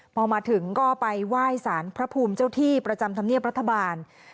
พอมาถึงก็ไปไหว้สารพระภูมิเจ้าที่ประจำธรรมเนียบรัฐบาล